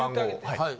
はい。